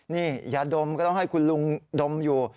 นี่ยาดมก็ต้องให้คุณลุงดมอยู่